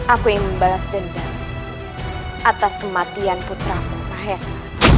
aku yang membalas dendam atas kematian putramu mahesa